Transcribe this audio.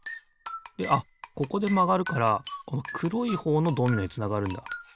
であっここでまがるからこのくろいほうのドミノへつながるんだ。